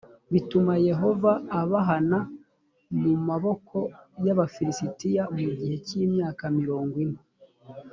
bituma yehova abahana mu maboko y abafilisitiya mu gihe cy’imyaka mirongo ine